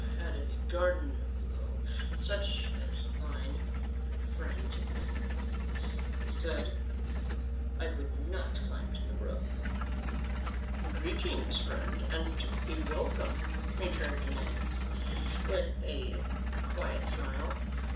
" Had I a garden below, such as thine, friend Ananias," he said, "I would not climb to the roof" " Greetings, friend, and a welcome," returned Ana nias with a quiet smile.